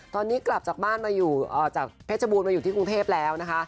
ตอนนี้กลับจากบ้านมาอยู่จากเพชรบูรณมาอยู่ที่กรุงเทพแล้วนะคะ